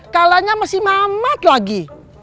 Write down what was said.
kalahnya sama si mamat lagi